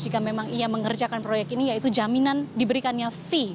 jika memang ia mengerjakan proyek ini yaitu jaminan diberikannya fee